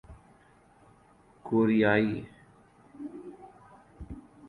کوریائی